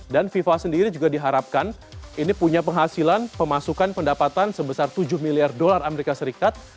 dan viva sendiri juga diharapkan ini punya penghasilan pemasukan pendapatan sebesar tujuh miliar dolar amerika serikat